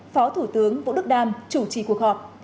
phó thủ tướng vũ đức đam chủ trì cuộc họp